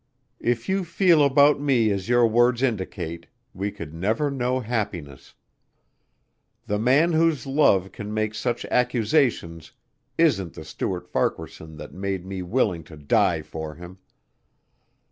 "If you can feel about me as your words indicate, we could never know happiness. The man whose love can make such accusations isn't the Stuart Farquaharson that made me willing to die for him.